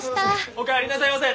お帰りなさいませ！